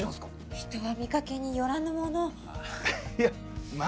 人は見かけによらぬものまあ